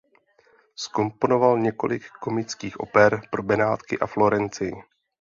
Zkomponoval několik komických oper pro Benátky a Florencii.